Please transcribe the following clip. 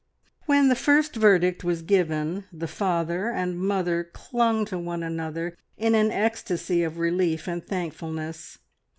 When the first verdict was given, the father, and mother clung to one another in an ecstasy of relief and thankfulness.